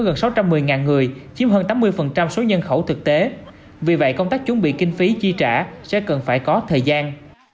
với nhân khẩu thực tế vì vậy công tác chuẩn bị kinh phí chi trả sẽ cần phải có thời gian